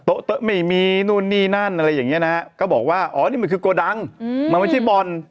โต๊ะไม่มีนู่นนี่นั่นอะไรอย่างเงี้นะฮะก็บอกว่าอ๋อนี่มันคือโกดังมันไม่ใช่บ่อน